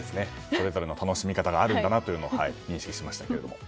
それぞれの楽しみ方があるんだなと認識しました。